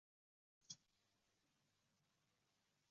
Boshqa bu mavzu haqida so`z ochmanglar, dedi